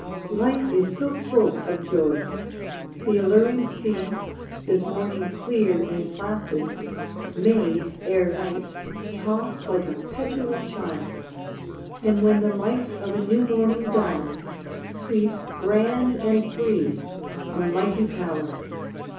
Life is so full of joys. The alluring sea, This morning clear and placid, may, ere night, Toss like a petulant child, and when the light Of a new morning dawns sweep grand and free A mighty power.